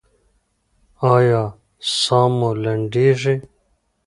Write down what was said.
ایا ساه مو لنډیږي؟